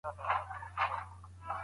كړۍ ،كـړۍ لكه ځنځير ويـده دی